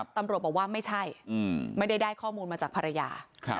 ตำรวจบอกว่าไม่ใช่ไม่ได้ได้ข้อมูลมาจากภรรยา